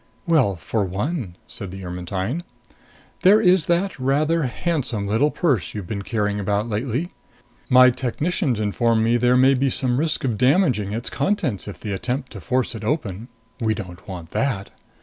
"Well, for one," said the Ermetyne, "there is that rather handsome little purse you've been carrying about lately. My technicians inform me there may be some risk of damaging its contents if they attempt to force it open. We don't want that.